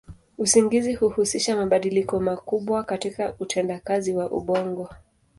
Usingizi huhusisha mabadiliko makubwa katika utendakazi wa ubongo.